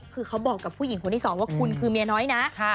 คือเขาบอกกับผู้หญิงคนที่สองว่าคุณคือเมียน้อยนะ